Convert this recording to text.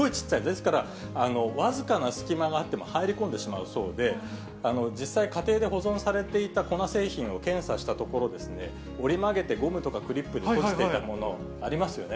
ですから、僅かな隙間があっても、入り込んでしまうそうで、実際、家庭で保存されていた粉製品を検査したところですね、折り曲げてゴムとかクリップで閉じていたものありますよね。